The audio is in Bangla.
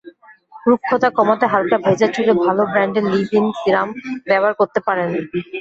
রুক্ষতা কমাতে হালকা ভেজা চুলে ভালো ব্র্যান্ডের লিভ-ইন সিরাম ব্যবহার করতে পারেন।